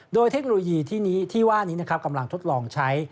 โดยเทคโนโลยีที่ว่านี้นะครับกำลังทดลองใช้